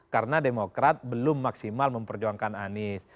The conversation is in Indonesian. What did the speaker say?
karena demokrat belum maksimal memperjuangkan anies